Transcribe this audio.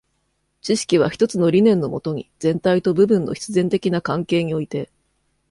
知識は一つの理念のもとに、全体と部分の必然的な関係において、